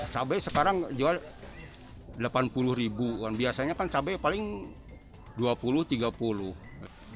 cabai sekarang jual rp delapan puluh biasanya kan cabai paling rp dua puluh rp tiga puluh